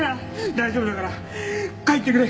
大丈夫だから帰ってくれ！